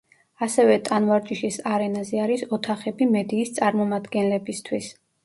ასევე ტანვარჯიშის არენაზე არის ოთახები მედიის წარმომადგენლებისთვის.